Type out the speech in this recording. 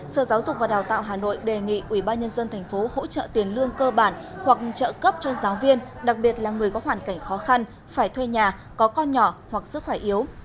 sở giáo dục và đào tạo hà nội đề nghị ubnd tp hỗ trợ tiền lương cơ bản hoặc trợ cấp cho giáo viên đặc biệt là người có hoàn cảnh khó khăn phải thuê nhà có con nhỏ hoặc sức khỏe yếu